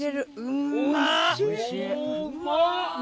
うんまっ！